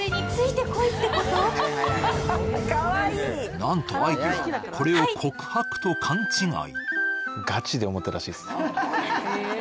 なんと愛梨さん、これを告白と勘違い。